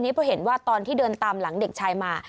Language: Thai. เพราะเห็นว่าตอนที่เดินตามหลังเด็กชายมา